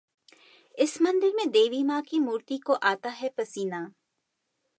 इस मंदिर में देवी मां की मूर्ति को आता है पसीना...